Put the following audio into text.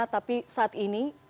tapi saat ini